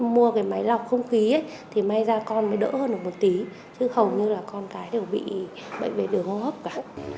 mua cái máy lọc không khí thì may ra con mới đỡ hơn được một tí chứ hầu như là con cái đều bị bệnh về đường hô hấp cả